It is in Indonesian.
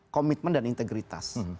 komitmen dan integritas